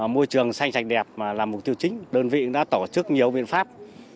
môi trường sạch sạch đẹp là mục tiêu chính đơn vị đã tổ chức nhiều biện pháp